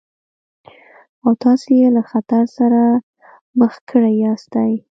او تاسې يې له خطر سره مخ کړي ياستئ.